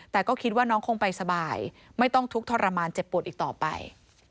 แต่ก็คิดว่าน้องคงไปสบายไม่ต้องทุกข์ทรมานเจ็บปวดอีกต่อไป